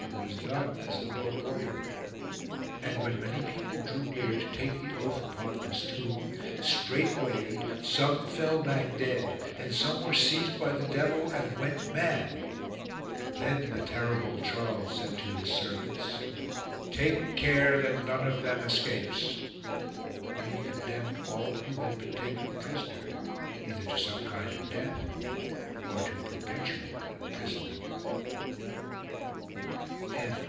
It was done as the Pope ordered. And when many people drew near to take the oath upon this tomb, straightway some fell back dead and some were seized by the devil and went mad. Then the terrible Charles said to his servants :" Take care that none of them escapes." Then he condemned all who had been taken prisoner either to some kind of death or to perpetual imprisonment.